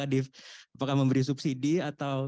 apakah memberi subsidi atau